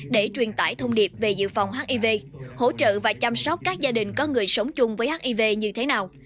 để truyền tải thông điệp về dự phòng hiv hỗ trợ và chăm sóc các gia đình có người sống chung với hiv như thế nào